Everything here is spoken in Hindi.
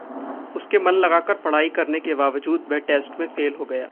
उसके मन लगाकर पढ़ाई करने के बावजूद वह टेस्ट में फ़ेल हो गया।